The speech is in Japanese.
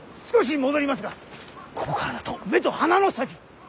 少し戻りますがここからだと目と鼻の先。